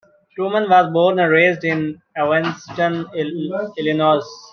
Truman was born and raised in Evanston, Illinois.